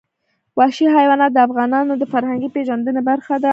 وحشي حیوانات د افغانانو د فرهنګي پیژندنې برخه ده.